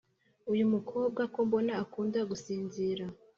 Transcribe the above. uyu mukobwa kombona akunda gusinzira